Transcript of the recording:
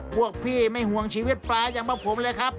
พวกพี่ไม่ห่วงชีวิตปลาอย่างพวกผมเลยครับ